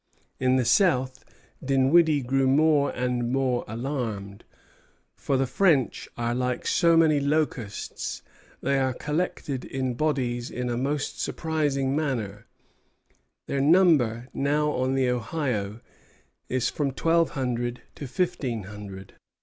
In the south Dinwiddie grew more and more alarmed, "for the French are like so many locusts; they are collected in bodies in a most surprising manner; their number now on the Ohio is from twelve hundred to fifteen hundred."